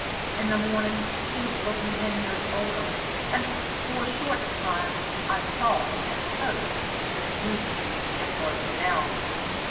In the morning he was looking ten years older, and for a short time I thought and hoped the New Scheme had broken down.